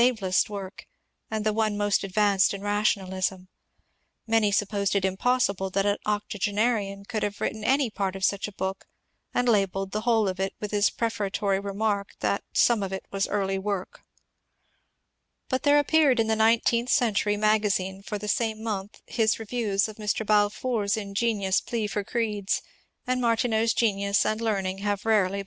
His latest volume, '> The Seat of Authority in Beligion," is his ablest work, and the one most advanced in rationalism : many supposed it impossible that an octogenarian could have written any part of such a book, and labelled the whole of it with his prefatory remark, that some of it was early work. But there appeared in the " Nineteenth Century " magazine for this same month his review of Mr. Balfour's ingenious plea for creeds, and Martineau's genius and learning have rarely been happier.